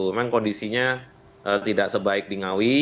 memang kondisinya tidak sebaik di ngawi